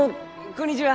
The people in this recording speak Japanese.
こんにちは。